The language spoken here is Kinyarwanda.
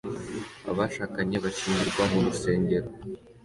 Abashakanye bashyingirwa mu rusengero